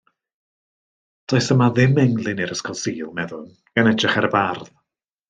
Does yma ddim englyn i'r Ysgol Sul, meddwn, gan edrych ar y bardd.